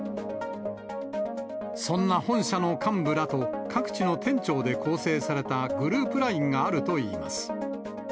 そんな本社の幹部らと各地の店長で構成されたグループＬＩＮＥがあるといいます。